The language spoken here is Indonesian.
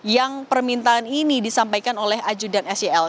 yang permintaan ini disampaikan oleh ajudan sel